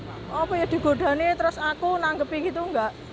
oh apa ya digodain terus aku nanggepin gitu enggak